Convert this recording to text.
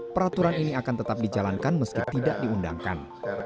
peraturan ini akan tetap dijalankan meski tidak diundangkan